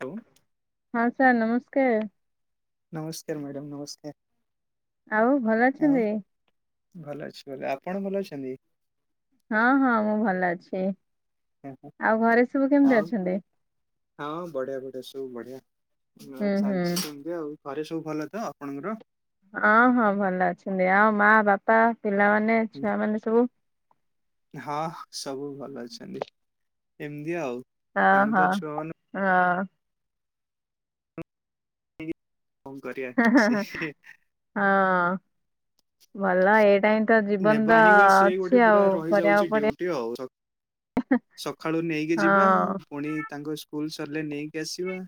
ହଉ। ହଁ ସାର୍ ନମସ୍କାର। ନମସ୍କାର ମ୍ୟାଡ଼ମ୍ ନମସ୍କାର। ଆଉ ଭଲ ଆଉ ଅଛନ୍ତି? ଭଲ ଅଛି ଭଲ ଆପଣ ଭଲ ଅଛନ୍ତି? ହଁ ହଁ ମୁଁ ଭଲ ଅଛି। ଆଉ ଘରେ ସବୁ କେମିତି ଆଉ ଅଛନ୍ତି? ହଁ ବଢିଆ ବଢିଆ ସବୁ ବଢିଆ। ହୁଁ ହୁଁ ଚାଲିଛି କେମିତି ଆଉ ଘରେ ସବୁ ଭଲ ତ ଆପଣଙ୍କର। ହଁ ହଁ ଭଲ ଅଛନ୍ତି ଆଉ ମା ବାପା ପିଲାମାନେ ଛୁଆମାନେ ସବୁ ହଁ ସବୁ ଭଲ ଅଛନ୍ତି ଏମିତି ଆଉ। ହ ତାଙ୍କୁ ତ ହଁ ଛୁଆ ମାନେ ହଁ। [inaudible] ସେ ହଁ। ଭଲ ଏଇଟା ହିଁ ତ ନେବା ଜୀବନର ଆଣିବା ସିଏ ଗୋଟେ ଅଛି ପୁରା ଆଉ ରହିଯାଉଛି କରିବାବାକୁ ପଡଆ ଡ୍ୟୁଟି ସକାଳୁ ନେଇକି ଯିବା ହଁ। ପୁଣି ତାଙ୍କ ସ୍କୁଲ ସରିଲେ ନେଇକି ଆସିବା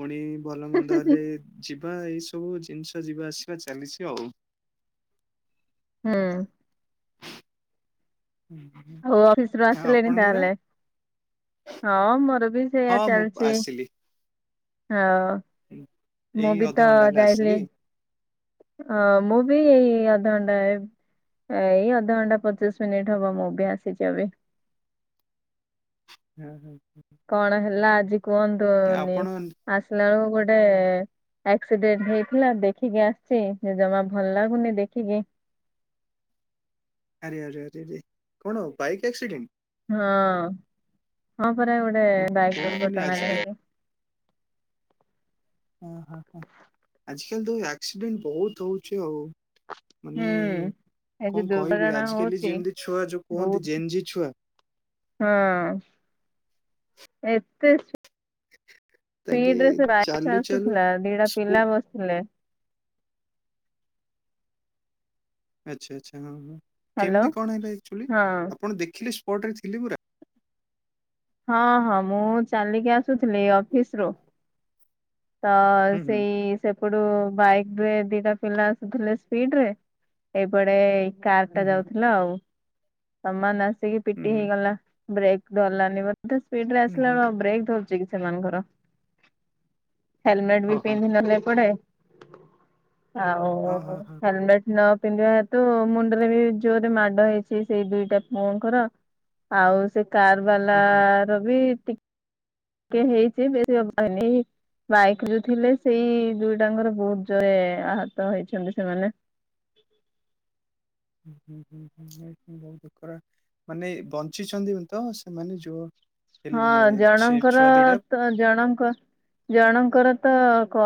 ପୁଣି ଭଲ ମନ୍ଦ ହେଲେ ଯ ଯ ବା ଏଇ ସବୁ ଜିନିଷ ଯିବା ଆସିବା ଚାଲିଛି ଆଉ। ହଁ। ଆଉ ଅଫିସ ରୁ ଆଉ ଆସିଲେଣି ଆପଣଙ୍କର? ତାହେଲେ ହଁ ମୋର ବି ସେଇଆ ହଁ ମୁଁ ଚାଲିଛି ଆସିଲି। ହଉ। ମୁଁ ଏଇ ବି ତ ଅଧଘଣ୍ଟା ହେଲା ଯାଇଥିଲି ଆସିଲି। ଅ ମୁଁ ବିିଇ ଆଦଣ୍ଡା ଏଇ ଅଧଘଣ୍ଟା ପଚିଶ ମିନିଟ ହବ ମୁଁ ବି ଆସିଛି ଏବେ। ହୁଁ ହୁଁ। କଣ ହେଲା ଆଜି କୁହନ୍ତୁନି ଆପଣ ଆସିଲା ବେଳକୁ ଗୋଟେ ଆକ୍ସିଡେଣ୍ଟ ହେଇଥିଲା ଦେଖିକି ଆସିଛି ଜମା ଭଲ ଲାଗୁନି ଦେଖିକି [inaudible] ଆରେରେ କଣ ବାଇକ୍ ଆକ୍ସିଡେଣ୍ଟ? ହଁ ହଁ। ରା ଏେ ଓ କୁହନ୍ତୁନି ବାଇକଣା ଆଜିକା ଓ ହ ହ ଆଜିକାଲି ତ ଆକ୍ସିଡେଣ୍ଟ ବହୁତ ହଉଛି ଆଉ। ମାନେ ହୁଁ। ଏ ଯୋଉ କଣ କହିବି ଦୁର୍ଘଟଣା ଆଜିକାଲି ହଉଛି ଯେମିତି ଛୁଆ ଯୋଉ କୁହନ୍ତି ବହୁତ ଜେନ୍ଜି ଛୁଆ ହଁ ଏତେ ତାଙ୍କେ ାଇ ଚାଲୁ ଚାଲୁ ଆସୁଥିଲା ଦିଟା ସ୍କୁଲ ପିଲା ବସିଥିଲେ ଆଚ୍ଛା ଆଛା ହଁ ହଁ ହ୍ୟାଲୋ କେମିତି କଣ ହେଲା ଆକ୍ଚୁଆଲି ହଁ ଆପଣ ଦେଖିଲେ ସ ପଟ୍ ରେ ଥିଲେ ପୁରା। ହଁ ହଁ ମୁଁ ଚାଲିକି ଆସୁଥିଲି ଅଫିସରୁୁ ତ ହୁଁ ହୁଁ ସେଇ ସେପଟୁ ବାଇକ ରେ ଦିଟା ପିଲା ଆସୁଥିଲେ ସ୍ପିଡ୍ ରେ ଏଇପଡେ କାର ଟା ହୁଁ ଯାଉଥିଲା ଆଉ ସମାନ ଆସିକି ହୁଁ ପିଟି ହୁଁ ହେଇଗଲା ବ୍ରେକ୍ ଧରଲାନି ବ ଏତେ ସ୍ପିଡ ରେ ହୁଁ ହୁଁ ଆସିଲା ହୁଁ ବ ବ୍ରେକ୍ ଧରୁଛି କି ସେମାନଙ୍କର। ହେଲମେଟ୍ ହଁ ବି ହଁ ପିନ୍ଧି ନଥିଲେ ଏପଡେ ଆଉ ହଁ ହଁ ହଁ ହେଲମେଟ ନ ପିନ୍ଧିବା ହେତୁ ମୁଣ୍ଡରେ ବି ଜୋର ରେ ମାଡ ହେଇଛି ସେଇ ଦିଟା ପୁଅଙ୍କର। ଆଉ ସେ କାର ହୁଁ ହୁଁ। ବାଲାର ବିି ଟି କେ ହେଇଚି ବେଶି ବାଡେ ବାଇକ୍ ଯୋଉ ଥିଲେ ସେଇ ଦୁଇଟାଙ୍କର ବହୁତ ଜୋରେ ଆହତ ହେଇଛନ୍ତି ସେମାନେ। [inaudible] ହଁ ବହୁତ ଦୁଃଖର ମାନେ ବଞ୍ଚିଛନ୍ତି ତ ସେମାନେ ଯୋଉ ହଁ ହେଲେ ସେ ଜଣଙ୍କର ଛୁଆ ଦିଟା ତ ଜଣଙ୍କ ଜଣଙ୍କ ଙ୍କର ତ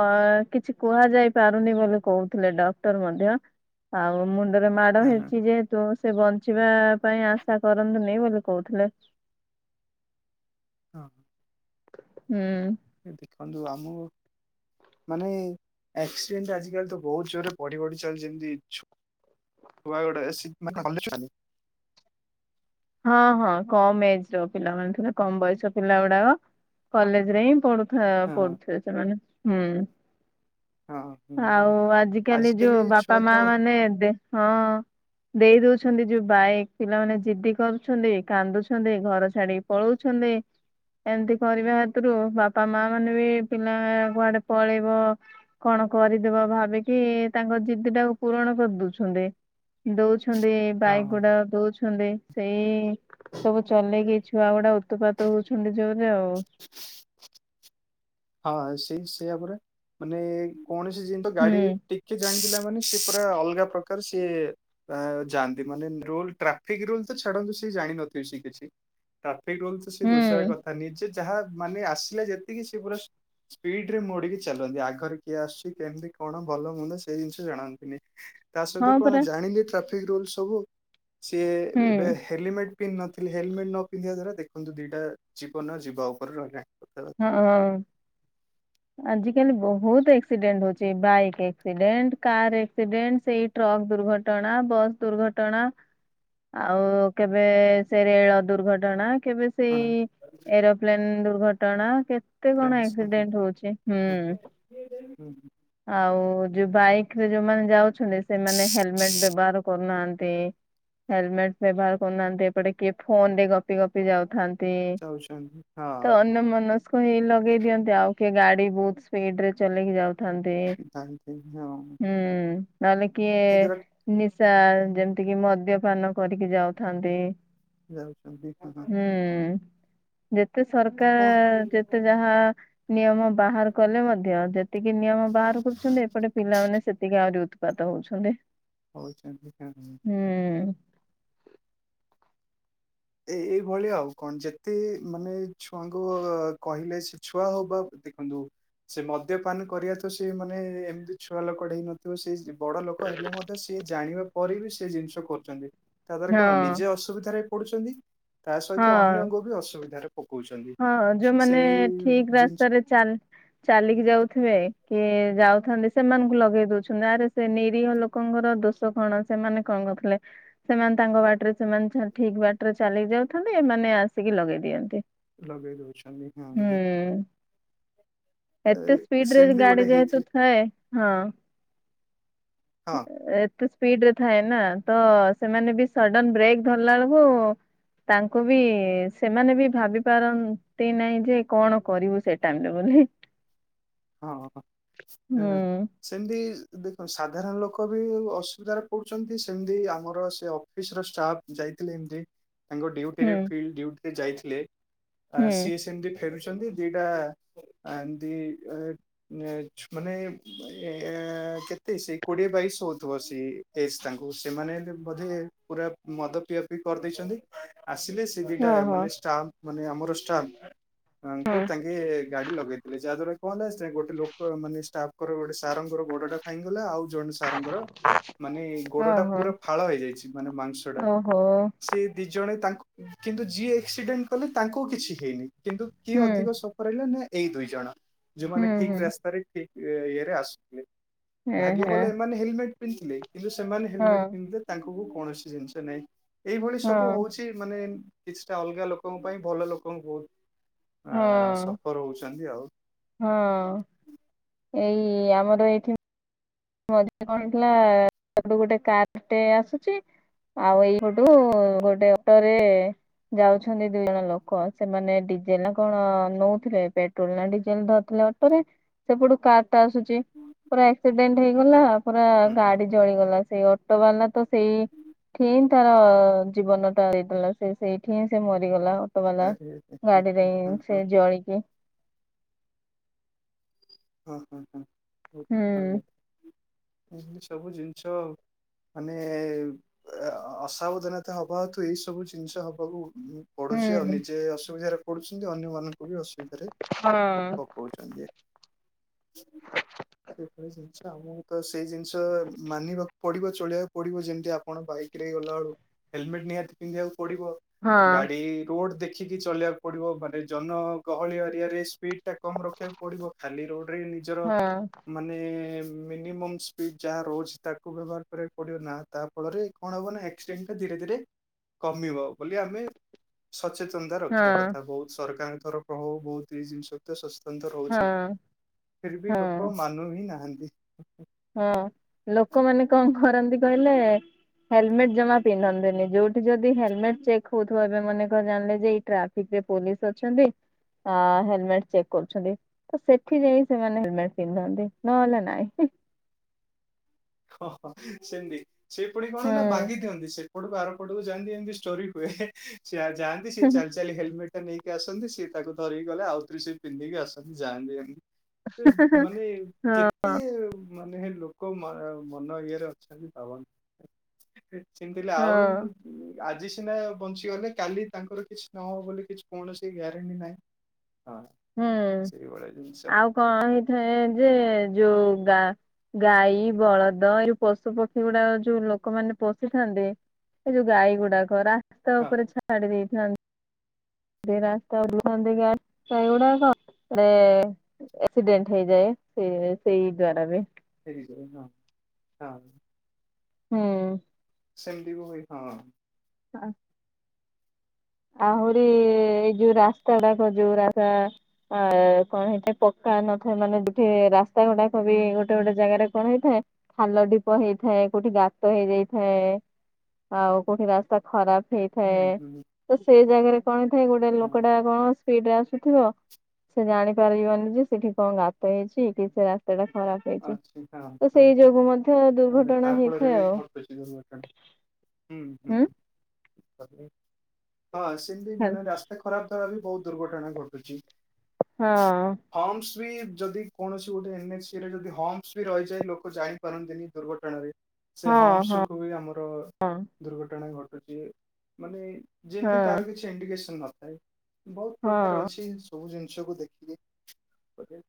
କିଛି କୁହାଯାଇ ପାରୁନି ବୋଲି କହୁଥିଲେ ଡକ୍ଟର ମଧ୍ୟ ଆଉ ମୁଣ୍ଡରେ ମାଡ ହଁ ହଁ ହେଇଚି ଯେହେତୁ ସେ ବଞ୍ଚିବା ପାଇଁ ଆଶା କରନ୍ତୁନେଇ ବୋଲି କରୁଥିଲେ। ହଁ। ହୁଁ। ଏ ଦେଖନ୍ତୁ ଆମକୁ ମାନେ ଆକ୍ସିଡେଣ୍ଟ ଆଜିକାଲି ତ ବୋହୁତ ଜୋରରେ ବଢି ବଢି ଚାଲଚି ଯେମତି ଛୁ ଆଗୁଡା ସି ମାନେ କଲେଜ ଯୋଉ ଯାନ୍ତି ହଁ ହଁ କମ୍ ଏଜର ପିଲାମାନେ ଥିଲେ କମ ବୟସ ପିଲା ଗୁଡାକ କଲେଜରେ ହିଁ ହଁ ହଁ ପଢୁଥା-ପଢୁଥୁବେ ସେମାନେ ହୁଁ। ହଁ ହୁଁ ଆଉ ହୁଁ। ଆଜିକାଲି ଯୋଉ ବାପା ଛୁଆ ତ ମାଆମାନେ ଦେ-ହଁ ଦେଇ ଦୋଉଛନ୍ତି ଯୋଉ ବାଇକ ପିଲମାନେ ଜିଦି କରୁଛନ୍ତି କାନ୍ଦୁଛନ୍ତି ଘର ଛାଡିକି ପଳୋଉଛନ୍ତି। ଏମତି କରିବା ହେତୁରୁ ବାପା ମାଆମାନେ ବି ପିଲା କୁଆଡେ ପଳେଇବ କଣ କରିଦେବ ଭାବିକି ତାଙ୍କ ଜିଦିଟାକୁ ପୂରଣ କରି ଦୋଉଛନ୍ତି ଦୋଉଛ ଛନ୍ତି ହଁ ବାଇକଗୁଡାକ ଦୋଉଛନ୍ତି। ସେଇ ସବୁ ଚଲେଇକି ଛୁଆଗୁଡା ଉତୁପାତ ହୋଉଛନ୍ତି। ଜୋରରେ ଆଉ। ହଁ ସେଇ ସେଇଆ ପରା ମାନେ କୌଣସି ଯିନ୍ତ ତ ହୁଁ ଗାଡି ଟିକେ ଜାଣି ପିଲା ମାନେ ସେ ପୁରା ଅଲଗା ପ୍ରକାର ସିଏ ଆ-ଯାଆନ୍ତି ମାନେ ରୁଲ୍ ଟ୍ରାଫିକ୍ ରୁଲ୍ ତ ଛାଡନ୍ତୁ ସେ ଜାଣିନଥିବେ ସିଏ କିଛି ଟ୍ରା ସେଇ ରୁଲ୍ ତ ସିଏ ଦୋସାରା ହୁଁ କଥା ନିଜେ ଯାହା ମାନେ ଆସିଲା ଯେତିକି ସିଏ ପୁରା ସ୍ପିଡରେ ମୋଡିକି ଚାଲନ୍ତି ଆଗରେ କିଏ ଆସଚି କେମିତି କଣ ଭଲ ମନ୍ଦ ସେଇ ଜିନଷ ଜାଣନ୍ତିନି। ତା ସହିତ ହଁ କଣ ପରା ଜାଣିଲି ଟ୍ରାଫିକ୍ ରୁଲ୍ ସବୁ ସିଏ ହୁଁ ଏବେ-ଏବେ ହେଲିମେଟ୍ ପିନ୍ଧି ନଥିଲେ ହେଲମେଟ୍ ନ ପିନ୍ଧିବା ଦ୍ୱାରା ଦେଖ ଖନ୍ତୁ ଦିଇଟା ଜୀବନ ଯିବା ଉପରେ ରହିଲା ହଁ। ଆଜିକାଲି ବୋହୁତ ଏକ୍ସିଡେଣ୍ଟ ହୋଉଚି ବାଇକ୍ ଏକ୍ସିଡେଣ୍ଟ, କାର ଏକ୍ସିଡେଣ୍ଟ, ସେଇ ଟ୍ର ଟ୍ରକ୍ ଦୁର୍ଘଟଣା, ବସ୍ ଦୁର୍ଘଟଣା ଆଉ କେବେ ସେ ରେଳ ଦୁର୍ଘଟଣା କେବେ କଣ ସେଇ ଏରୋପ୍ଲେନ ଦୁର୍ଘଟଣା କେତେ କଣ ଆକ୍ସିଡେଣ୍ଟ ହୋଉଚି। ଚି-ହୁଁ ଆଉ ଯୋଉ ବାଇକ୍ କରେ ଯୋଉମାନେ ଯାଉଛନ୍ତି ସେମାନେ ହେଲମେଟ୍ ବ୍ୟବହାର କରୁନାହାନ୍ତି। ହେଲମେଟ୍ ବ୍ୟବହାର କରୁନାହାନ୍ତି ଏପଟେ କିଏ ଫୋନରେ ଗପି ଗପି ଯାଉଥାନ୍ ତି ଯାଉଛନ୍ତି ତ ଅନ୍ୟ ହଁ ମନସ୍କ ହେଇ ଲଗେଇ ଦିଅନ୍ତି ଆଉ କିଏ ଗାଡି ବୋହୁତ ସ୍ପିଡରେ ଚଲେଇକି ଯାଉଥାନ୍ତି ଥାନ୍ତି ହଁ ହୁଁ। ନହେଲେ କିଏ ଏଇଦ୍ଵାରା ନିଶା ଯେମତି କି ମଦ୍ୟପାନ କରିକି ଯାଉଥାନ୍ତି। ଯାଉଛନ୍ତି [unintelligible] ହୁଁ ଯେତେ ସରକାର ଯେତେ ଯାହା ନିୟମ ବାହାର କଲେ ମଧ୍ୟ ଯେତିକି ନିୟମ ବାହାର କରୁଛନ୍ତି ଏପଟେ ପିଲାମାନେ ସେତିକି ଆହୁରି ଉତୁ ପାତ ହୋଉଛନ୍ତି। ହୋଉଚନ୍ତି କାଇଁ ଏ-ଏଇଭଳି ଆଉ କଣ ଯେତେ ମାନେ ଛୁଆଙ୍କୁ କହିଲେ ସେ ଛୁଆ ହୋଉ ବା ଦେଖନ୍ତୁ ସେ ମଦ୍ୟପାନ କରିବା ତ ସେ ମାନେ ଏମିତି ଛୁଆ ଲୋକଟେ ହେଇନଥିବ ସେ ଯେମ୍ ବଡ ଲୋକ ହେଲେ ମଧ୍ୟ ସିଏ ଜାଣିବା ପରେ ବି ସେ ଜିନଷ କରୁଚନ୍ତି ତା ଦ୍ୱାରା କଣ ହଁ ନିଜେ ଅସୁବିଧାରେ ପଡୁଛନ୍ତି ତା ସହିତ ହଁ ଅନ୍ୟଙ୍କୁ ବି ଅସୁବିଧାରେ ପକଉଛନ୍ତି ହଁ ଯୋଉମାନେ ସେଇ ଠିକ୍ ଜିନିଷ ରାସ୍ତାରେ ଚାଲ୍ ଚାଲିକି ଯାଉଥୁବେ କିଏ ଯାଉ ଥାନ୍ତି ସେମାନଙ୍କୁ ଲଗେଇ ଦୋଉଛନ୍ତି ଆରେ ସେ ନିରିହ ଲୋକଙ୍କର ଦୋଷ କଣ ସେମାନେ କଣ କରୁଥିଲେ। ସେମାନେ ତାଙ୍କ ବାଟରେ ସେମାନେ ଛ-ଠିକ ବାଟରେ ଚାଲିକି ଯାଉଥାନ୍ତି ଏମାନେ ଆସିକି ଲଗେଇ ଦିଅନ୍ତେ। ଲଗେଇ ଦୋଉଛନ୍ତି ହଁ। ଏତେ ଏ- ସ୍ପିଡରେ ସେମିତି ଗାଡି ଗୋଟେ ଯେହେତୁ ହେଇଥିଲି ଥାଏ ହଁ। ହଁ ଏ ତେ। ସ୍ପିଡ ରେ ଥାଏ ନା ତ ସେମାନେ ବି ସଡନ ବ୍ରେକ୍ ଧରିଲା ବେଳକୁ। ତାଙ୍କୁ ବି ସେମାନେ ବି ଭାବି। ପାରନ୍ତି ନାଇଁ ଯେ କଣ କରିବୁ ସେ ଟାଇମରେ ବୋଲି ହି। ହଁ ଏଁ ସେମିତି ଦେଖନ୍ତୁ ସାଧାରଣ ଲୋକ। ଲୋକ ବି ଅସୁବିଧାରେ ପଡୁଛନ୍ତି ସେମତି ଆମର ସେ ଅଫିସ ର ଷ୍ଟାଫ ଯାଇଥିଲେ ଏମତି। ତାଙ୍କ ଡିଉଟି ହୁଁ ରେ ଫିଲଡ ଡିଉଟି ରେ ଯାଇଥିଲେ ଆ ହୁଁ ସିଏ ସେମତି। ଫେରୁଛନ୍ତି ଦିଟା ଏମତି। ଏ -ନେ -ଛୁ ମାନେ ଏ କେତେ ସେଇ କୋଡିଏ ବାଇଶ ହଉଥିବ ସେ ଏଜ ତାଙ୍କୁ ସେମାନେ ହେଲେ ବୋଧେ ପୁରା ମଦ ପିଆ ପି କରି ଦେଇଛନ୍ତି। ଆସିଲେ ସେ ଦିଟା ଓହୋ ମାନେ ଷ୍ଟାପ ମାନେ ଆମର ଷ୍ଟାମ୍ପ। ତାଙ୍କୁ ହଁ ତାଙ୍କେ ଗାଡି ଲଗେଇ ଦେଲ ଯାହା ଦ୍ୱାରା କି କହ ହେଲା ସେ ଗୋଟେ ଲୋକ ମାନେ ଷ୍ଟାଫ ଙ୍କର ଗୋଟେ ସାରଙ୍କ ର ଗୋଡଟା ଭାଙ୍ଗିଗଲା ଆଉ। ଜଣେ ସାରଙ୍କ ର ମାନେ ଗୋଡ ଟା ଓହୋ। ପୁରା ଫାଳ ହେଇଯାଇଛି ମାନେ ମାଂସ ଟା। ଓହୋ ସେ ଦି ଜଣେ ତାଙ୍କୁ। କିନ୍ତୁ ଯିଏ ଏକ୍ସିଡେଣ୍ଟ କଲେ ତାଙ୍କୁ କିଛି ହେଇନି କିନ୍ତୁ କିଏ ହୁଁ ଅଧିକ ସଫର ହେଲେ ନା। ଏଇ ଦୁଇ ଜଣ ହୁଁ ଯୋଉମାନେ ହୁଁ ଠିକ ରାସ୍ତାରେ ଠିକ ଇଏରେ ଆସୁଥିଲେ। ଏ ଭାଗ୍ୟ ହେ ଭଲ ଏମାନେ ହେଲମେଟ ପିନ୍ଧିଥୀଲେ କିନ୍ତୁ ସେମାନେ ହଁ ହେଲମେଟ ପିନ୍ଧିଲେ ତାଙ୍କୁ। ପାଖକୁ କୌଣସି ଜିନିଷ ନାଇଁ ଏଇଭଳି ସବୁ ହଁ ହଉଛି ମାନେ। କିଛିଟା ଅଲଗା ଲୋକଙ୍କ ପାଇଁ ଭଲ ଲୋକଙ୍କୁ ବହୁତ ଆ ହଁ ସଫର ହଉଛନ୍ତି ଆଉ। ହଁ ଏଇ ଆମର ଏଇଠି। ମଝି ରେ କଣ ହେଇଥିଲା ସାଡୁ ଗୋଟେ କାରେ ଟେ ଆସୁଛି। ଆଉ ଏଇପଟୁ ଗୋଟେ ଅଟରେ। ଯାଉଛନ୍ତି ଦି ଜଣ ଲୋକ ସେମାନେ ଡିଜେଲ ନା କଣ ନଉଥିଲେ ପେଟ୍ରୋଲ ନା ଡିଜେଲ ଧରିଥିଲେ। ଅଟୋ ରେ ସେପଟୁ କାର। ଟା ଆସୁଛି ପୁରା ଆକ୍ସିଡେଣ୍ଟ ହେଇଗଲା ପୁରା ହୁଁ ହୁଁ ଗାଡି ଜଳିଗଲା ସେଇ ଅ ଅଟୋ ବାଲା ଟା ସେଇ। ଠି ହିଁ ତାର ଜୀବନଟା ଦେଇଦେଲା ସେ ସେଇଠି ହିଁ ସେ ମରିଗଲା। ଅଟୋ ବାଲା ଆରେ ହଁ ଗାଡ଼ି ରେ ହିଁ ହଁ ସେ ଜଳିକି। ହଁ ହଁ ହଁ ବହୁତ୍ ଅସୁବିଧା ହୁଁ ଏମତି ସବୁ ଜିନିଷ ଆଉ। ମାନେ ଏଅ ଅସାବଧାନତା ହବା ହେତୁ ଏଇ ସବୁ ଜିନିଷ ହବାକୁ। ମୁଁ ହୁଁ ପଢୁଛି ଆଉ ନିଜେ ଅସୁବିଧାରେ ପଢୁଛନ୍ତି ଅନ୍ୟମାନଙ୍କୁ। ବି ଅସୁବିଧାରେ ହଁ ପକଉଚନ୍ତି। ହ ସେଇଭଳି ଜିନିଷ ଆମକୁ ତ ସେଇ ଜିନିଷ ମାନିବାକୁ ପଡିବ ଚଳିବାକୁ ପଡିବ ଯେମିତି ଆପଣ ବା ଇକ ରେ ଗଲା ବେଳୁ ହେଲମେଟ ନିହାତି ପିନ୍ଧିବାକୁ ପଡିବ ହଁ ଗାଡି ରୋଡ ଦେଖି ଦେଖିକି ଚଲେଇଆକୁ ପଡ଼ିବ ମାନେ ଜନଗହଳି ଏରିଆରେ ସ୍ପିଡ୍ ଟା କମ ରଖିବାକୁ ପଡ଼ିବ ଖାଲି ରୋଡ଼। କରି ନିଜର ହଁ ମାନେ। ମିନିମମ୍ ସ୍ପିଡ ଯାହା ରହୁଛି ତାକୁ ବ୍ୟବହାର କରିବାକୁ ପଡିବ ନା ତା ଫଳରେ କଣ ହବ ନା ଆକସିଡେଣ୍ଟ ଟା ଧୀରେ। ଧୀରେ ଧୀରେ କମିବ ବୋଲି ଆମେ ସଚେତନ ସଚେତନତା ରଖିବା ହଁ କଥା ବହୁତ ସରକାର ଙ୍କ ତରଫ ହଉ ବହୁତ ଏଇ ଜିନିଶ ରେ ସଚେତନତା ରହୁଛି। ହଁ ଫିର ବି ଲୋକ ହଁ ମାନୁ ହି ନାହାନ୍ତି। ହଁ ଲୋକମାନେ କଣ କରନ୍ତି କହିଲେ। ହେଲମେଟ ଜମା ପିନ୍ଧନ୍ତିନି ଯୋଉଠି ଯଦି ହେଲମେଟ ଚେକ୍ ହଉଥିବ ଏବେ ମନେ କର ଜାଣିଲେ ଯେ ଏଇ ଟ୍ରାଫିକ। ରେ ପୋଲିସ ଅଛନ୍ତି। ଆ ହେଲମେଟ ଚେକ୍ କରୁଛନ୍ତି ତ ସେଠି ଯାଇ ସେମାନେ ହେଲମେଟ ପିନ୍ଧନ୍ତି ନ ହେଲେ ନାଇଁ। ହଁ ହଁ ସେମିତି ସେ ପୁଣି କଣ ନା ହୁଁ। ବାଗି ଦିଅନ୍ତି ସେ ପଟକୁ ଆର ପଟକୁ ଯାଆନ୍ତି ଏମିତି ଷ୍ଟୋରି ହୁଏ ଯାଆନ୍ତି ସେ ଚାଲି ଚାଲି ହେଲମେଟ। ସେ ନେଇକି ଆସନ୍ତି ସିଏ ତାକୁ ଧରିକି ଗଲେ ଆଉଥରେ ସିଏ ପିନ୍ଧିକି ଆସନ୍ତି ଯାଆନ୍ତି ଏମତି। ସେ ମାନେ ହଁ କେତେ ମାନେ ଲୋକ ମା ମନ ଇଏରେ ଅଛା ବି ପାବନି ସେମିତି ହଁ ଆଉ ଆଜି ସିନା ବଞ୍ଚିଗଲେ କାଲି ତାଙ୍କର କିଛି ନହବ ବୋଲି କିଛି କୌଣସି ଗ୍ୟାରେଣ୍ଟି ନାହିଁ। ହଁ ହୁଁ ସେଇଭଳିଆ ଜିନିଷ ଆଉ କଣ ହେଇଥାଏ ଯେ ଯୋଉ ଗାଈ ବଳଦ ଏଇ ଯଉ ପଶୁ ପକ୍ଷୀ ଗୁଡା ଯୋଉ ଲୋକମାନୋନେ ପଶିଥାନ୍ତି ଏ ଯୋଉ ଗାଈ ଗୁଡାକ ରାସ୍ତା ହଁ ଉପରେ ଛାଡି ଦେଇଥାନ୍ତି ରାସ୍ତା ଦକ ଏଇଗୁଡା କଣଡେ ଆକ୍ସିଡେଣ୍ଟ ହେଇଯାଏ ସେ ସେଇ ଦ୍ଵାରା ବି। ହଁ ହଁ। ହୁଁ। ସେମତିିବ ଭାଇ ହଁ। ହଁ। ଆହୁରି ଏଇ ଯୋଉ ରାସ୍ତାଡାକ ଯୋଉ ରାସ୍ତା ଅ କଣ ହେଇଟ ପକା ନଥାଏ ମାନେ ଯଠି ରାସ୍ତା ଗୁଡାକ ବି ଗୋଟେ ଗୋଟେ ଜାଗାରେ କଣ ହେଇଥାଏ, ଖାଲ ଢପ ହେଇଥାଏ କୋଉଠି ଗାତ ହେଇଯାଇଥାଏ, ଆଉ କୋଉଠି ରାସ୍ତା ଖରାପ ହେଇଥାଏ ହୁଁ ହୁଁ ସେଇ ଜାଗାରେ କଣ ଥାଏ ଗୋଟେ ହଁ ଲୋକଟା କଣ ଡରେ ଆସୁଥିବ, ସେ ଜାଣିପାରିବନି ଯେ ସେଠି କଣ ଗାତ ହେଇଛି କି ସେ ରାସ୍ତାଟା ଅଛି ହଁ ମଧ୍ୟ ଆଲେ ଦୁର୍ଘଟଣା ତା ଫଳରେ ହେଇଥାଏ ବି ଆଉ। ଘର ବେଶୀ ଦରଟଣି ହୁଁ ହୁଁ ହ। ହଁ ସେମିତି ମାନେ ରାସ୍ତା ଖରାପ ଦ୍ଵାରା ବି ବହୁତ ଦୁର୍ଘଟଣା ଘଟୁଛି ହଁ। ହମ୍ପସ ଯଦି କୌଣସି ଗୋଟେ ଏଚ ସ ରେ ଯଦ ହମସ ବି ରହିଯାଏ, ଲୋକ ଜାଣିପାରନ୍ତିନି ଦୁର୍ଘଟଣାରେ ସେ ହଁ ହୋମସ ହଁ ଯକୁୁ ବି ଆମର ଦୁର୍ଘଟଣା ଘଟୁଛି ମାନେ ଯେମତି ହଁ ତାର କିଛି ଇଡିିକେସନ ନଥାଏ, ବହୁତ ପ୍ରକାର ହଁ ଅଛି ସବୁ ଜିନିଷ ଜଷବୁ ଦେଖିକି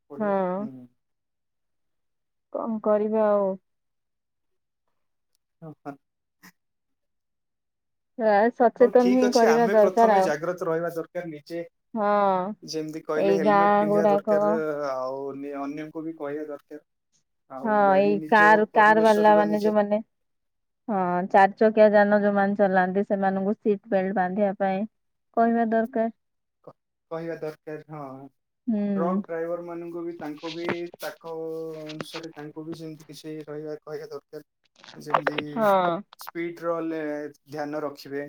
ପଁ କମ କରିବି ଆଉ। [inaudible] ଆ ହଉ ସଚେତନ ହିଁ ଠିକ ଅଛି କରିବା ଆମେ ଦରକାର ପ୍ରଥମେ ଆଉ। ଜାଗ୍ରତ ରହିବା ଦରକାର ହଁ ଯେମିତି କହିଲେ ଏଇ ହେଲମେଟ ଗାଁ ପିନ୍ଧିବା ଗୁଡାକ ଦରକାର ଆଉ। ଅନନ୍ୟଙ୍କୁ ବି କହିବା ଦରକାର। ଆଉ ହଁ ଗାଡି ଏଇ ନିଜ କାର କାର ପରିବେଶରେ ବାଲା ବା ମାନେ ନିଜ ଯୋଉମାନେ, ହଁ ଚାରି ଚକିଆ ଯାନ ଯୋଉ ଚଲାନ୍ତି ସେମାନଙ୍କୁ ସିଟ ବେଲଟ ବାନ୍ଧିବା ପାଇଁ କହିବା ଦରକାର କହିବା ଦରକାର ହଁ ହୁଁ ଟ୍ରକ୍ ଡ୍ରାଇଭର ମାନଙ୍କୁ ବି ତାଙ୍କୁ ବି ତାଙ୍କ ଅନୁସାରେ ତାଙ୍କୁ ବି ସେମିତି କିଛି ରହିବା କହିବା ଦରକାର ଯେମିତି ହଁ ସ୍ପିଡ ର ଧ୍ୟାନ ରଖିବେ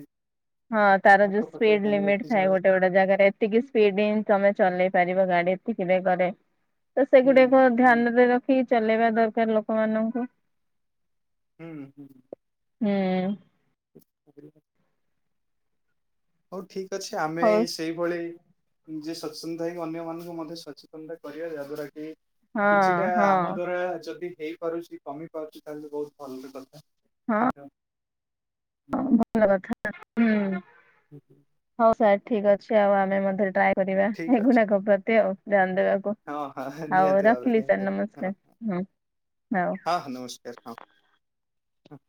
ହଁ ତାରା ଯଉ ଆଖପାଖ ସ୍ପିଡ ଧ୍ୟାନ ଲିମିଟ ରଖିବା ଏ ଗୋଟେ ଗୋଟେ ଜାଗାରେ ଏତିକି ସ୍ପିଡ ତମେ ଚଲେଇ ପାରିବ ଗାଡି ଏତିକିିବ କରେ ତ ହୁଁ ସେଗୁଡାକୁ ହୁଁ ଧ୍ୟାନରେ ରଖି ଚଲେଇବା ଦରକାର ଲୋକମାନଙ୍କୁ। ହୁଁ ହୁଁ। ହୁଁ। ଆ ହଉ ଠିକ ଅଛି ଆମେ ହଉ ସେଇଭଳି ଯିଏ ସଚେତନତା ହେଇକି ଅନ୍ୟମାନାନଙ୍କୁ ମଧ୍ୟ ସଚେତନତା କରିବା ଯାହା ଦଵାରା କି ହଁ କିଛିଟା ହଁ ଆମ ଦ୍ଵାରା ଯଦି ହେଇପାରୁଛି କମି ପାରୁଛି, ତାହେଲେ ବହୁତ ଭଲରେ କଥା। ହ ଭଲ କଥା ହୁଁ ହଉ ସ ଠିକ୍ ଅଛି ଆଉ ଆମେ ମଧ୍ୟ ଟ୍ରା କରିବା ଠିକ ଅଛି ଏଗୁଣା ଖ ପ୍ରତି ଆଉ, ଧ୍ୟାନ ଦେବାକୁ ହଁ ହଁ ଆଉ ନିହାତି ଭାବରେ ରଖିଲି ନିହାତି ସାର୍ ଭାବରେ ହଁ ନମସ୍କାର ହଁ। ହଁ ହ ନମସ୍କାର ହଁ ହ।